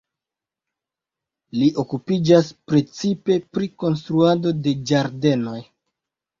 Li okupiĝas precipe pri konstruado de ĝardenoj.